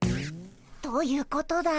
どういうことだい？